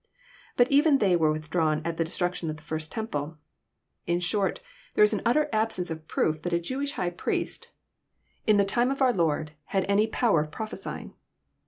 But even they were withdrawn at the destruction of the first temple. In shortj there is au utter absence of proof that a JOHN, CHAP. XI. 301 Jewish high priest, In the time of our Lord, had any power of prophesying.